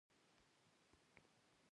یوټوبر د خلکو له غږ پیسې ګټي نو حق لازم دی.